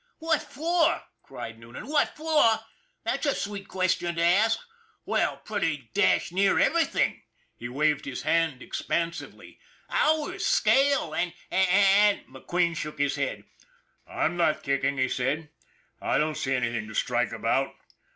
" What for !" cried Noonan. " What for? That's a sweet question to ask. Well, pretty dashed near everything," he waved his hand expansively " hours, scale, and and " McQueen shook his head. " I'm not kicking," he said. " I don't see anything to strike about.